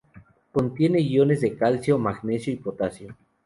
Contiene iones de calcio, magnesio y potasio.